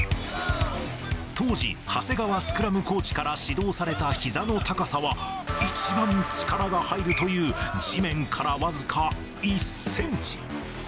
当時、長谷川スクラムコーチから指導されたひざの高さは、一番力が入るという地面から僅か１センチ。